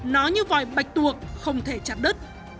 nó như vòi bạch tuộc không thể chặt đất